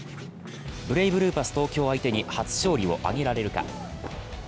ブレイブルーパス東京相手に初勝利を挙げられるか。